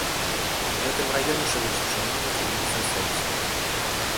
У гэтым раёне жывуць чыноўнікі і бізнэсоўцы.